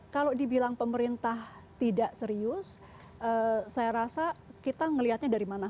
kalau dibilang pemerintah tidak serius saya rasa kita melihatnya dari mana